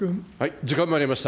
時間もまいりました。